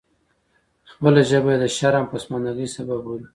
خپله ژبه یې د شرم او پسماندګۍ سبب بولي.